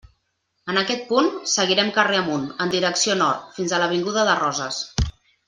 En aquest punt, seguirem carrer amunt, en direcció nord, fins a l'avinguda de Roses.